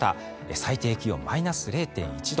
最低気温、マイナス０．１度。